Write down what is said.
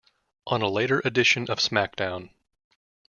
On a later edition of SmackDown!